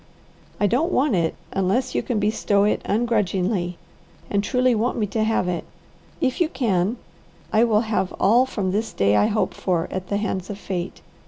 I don't want it unless you can bestow it ungrudgingly, and truly want me to have it. If you can, I will have all from this day I hope for at the hands of fate.